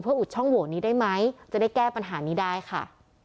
อุดช่องโหวตนี้ได้ไหมจะได้แก้ปัญหานี้ได้ค่ะ